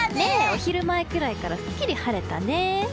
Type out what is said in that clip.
お昼前くらいからすっきり晴れたね。